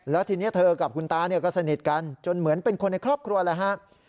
แล้วทีนี้เธอกับคุณตาก็สนิทกันจนเหมือนเป็นคนในครอบครัวแล้วฮะ